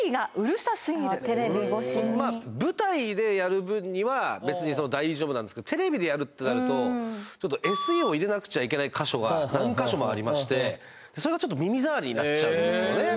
舞台でやる分には別に大丈夫なんですけどテレビでやるってなるとＳＥを入れなくちゃいけない箇所が何か所もありましてそれがちょっと耳障りになっちゃうんですよね